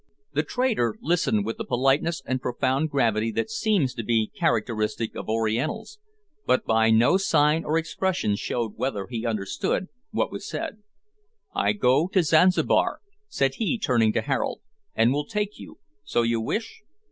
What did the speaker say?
The trader listened with the politeness and profound gravity that seems to be characteristic of Orientals, but by no sign or expression showed whether he understood what was said. "I go to Zanzibar," said he, turning to Harold, "and will take you, so you wish."